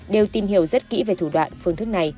đều tìm hiểu rất kỹ về thủ đoạn phương thức này